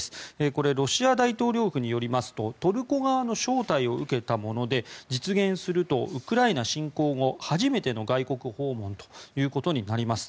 これロシア大統領府によりますとトルコ側の招待を受けたもので実現するとウクライナ侵攻後初めての外国訪問となります。